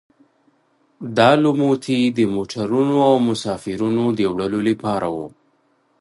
دا لوموتي د موټرونو او مسافرینو د وړلو لپاره وو.